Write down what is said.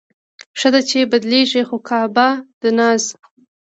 ښه ده، چې بدلېږي خو کعبه د ناز